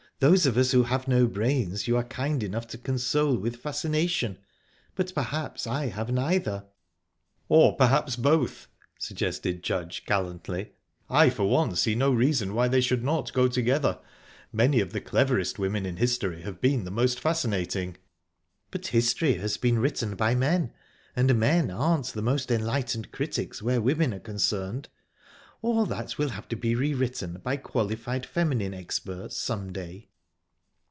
Those of us who have no brains you are kind enough to console with fascination. But perhaps I have neither." "Or perhaps both," suggested Judge, gallantly. "I for one, see no reason why they should not go together. Many of the cleverest women in history have been the most fascinating." "But history has been written by men, and men aren't the most enlightened critics where women are concerned. All that will have to be re written by qualified feminine experts some day."